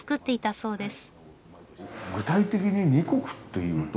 そうです。